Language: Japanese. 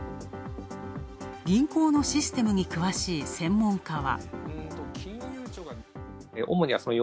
銀行のシステムに詳しい専門家は。